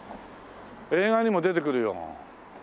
映画にも出てくるよ。